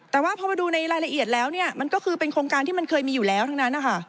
แต่ว่าพอมาดูในรายละเอียดแล้วเนี่ยมันก็คือเป็นโครงการที่มันเคยมีอยู่แล้วทั้งนั้นนะคะ